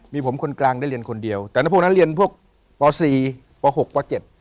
มีผมคนกลางได้เรียนคนเดียวแต่ถ้าพวกนั้นเรียนพวกป๔ป๖ปเจ็ด